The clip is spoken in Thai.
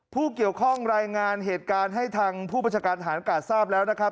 ผู้เกี่ยวข้องรายงานเหตุการณ์ให้ทางผู้บัญชาการฐานกาศทราบแล้วนะครับ